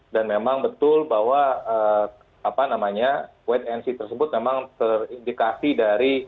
dan memang betul bahwa wait and see tersebut memang terindikasi dari